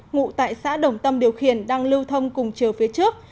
ngụ tại xã đồng tâm điều khiển đang lưu thông cùng chiều phía trước